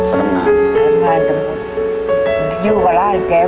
ไม่มีใครอยู่ในบ้านเลยเหรอคะวันนั้น